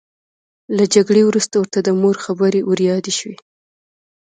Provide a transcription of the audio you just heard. له جګړې وروسته ورته د مور خبرې وریادې شوې